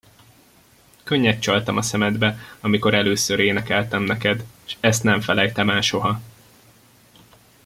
Könnyet csaltam a szemedbe, amikor először énekeltem neked, s ezt nem felejtem el soha.